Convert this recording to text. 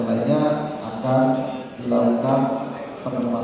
misalnya di bekasi ada maturka atau budaya